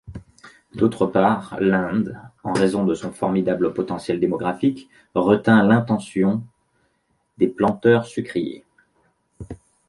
D'autre part l'Inde, en raison de son formidable potentiel démographique, retint l'attention des planteurs-sucriers.